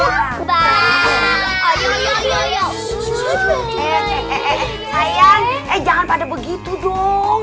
eh jangan pada begitu dong